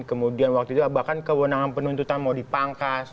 kemudian waktu itu bahkan kewenangan penuntutan mau dipangkas